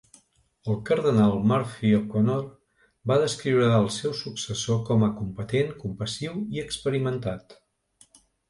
El cardenal Murphy-O'Connor va descriure al seu successor com a competent, compassiu i experimentat.